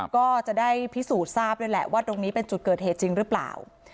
ก็จะได้พิสูจน์ทราบด้วยแหละว่าตรงนี้เป็นจุดเกิดเหตุจริงหรือเปล่า